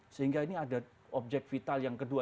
sehingga ini ada objek vital yang kedua